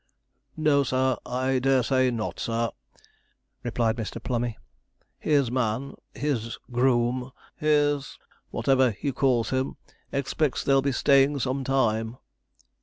'No, sir I dare say not, sir,' replied Mr. Plummey. 'His man his groom his whatever he calls him, expects they'll be staying some time.'